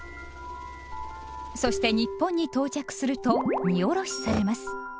そして日本に到着すると荷降ろしされます。